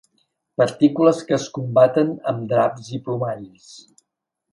Partícules que es combaten amb draps i plomalls.